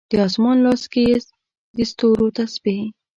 د اسمان لاس کې یې د ستورو تسبې